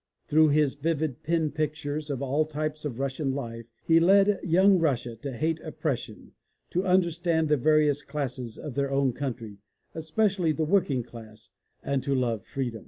Through his vivid pen pictures of all types of Russian life, he led young Russia to hate oppression, to understand the various classes of their own country, especially the working class, and to love freedom.